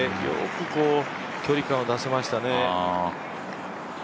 よく距離感を出せましたね。